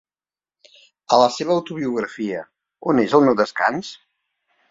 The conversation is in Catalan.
A la seva autobiografia, on és el meu descans?